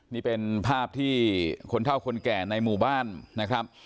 นี่เป็นภาพที่คนเท่าคนแก่ในหมู่บ้านนะครับ